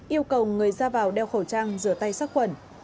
yêu cầu người ra vào đeo khẩu trang rửa tay sát khuẩn